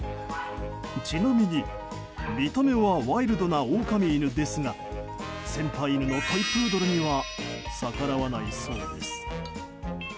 ちなみに、見た目はワイルドな狼犬ですが先輩犬のトイプードルには逆らわないそうです。